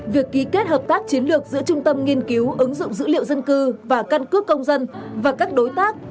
việc ký kết hợp tác chiến lược giữa trung tâm nghiên cứu ứng dụng dữ liệu dân cư và căn cước công dân và các đối tác